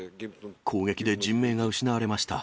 攻撃で人命が失われました。